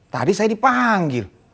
tadi saya dipanggil